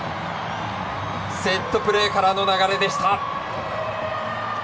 セットプレーからの流れでした。